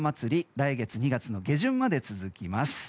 来月２月の下旬まで続きます。